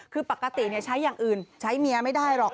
คือปกติใช้อย่างอื่นใช้เมียไม่ได้หรอก